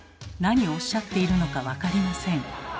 何をおっしゃっているのか分かりません。